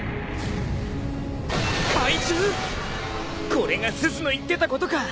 これがすずの言ってたことか。